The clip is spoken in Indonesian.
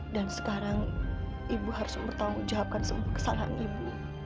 dan sekarang ibu harus bertanggung jawabkan semua kesalahan ibu